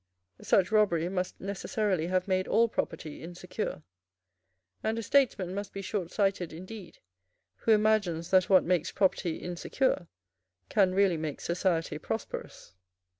Such robbery must necessarily have made all property insecure; and a statesman must be short sighted indeed who imagines that what makes property insecure can really make society prosperous.